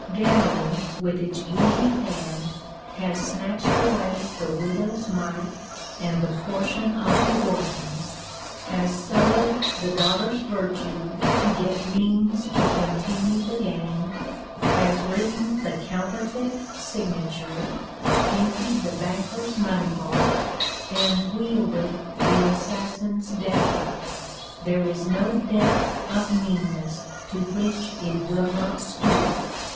Gambling, with its greedy hand, has snatched away the widow's mite and the portion of the orphans; has sold the daughter's virtue to get means to continue the game; has written the counterfeit signature, emptied the banker's money vault, and wielded the assassin's dagger. There is no depth of meanness to which it will not stoop.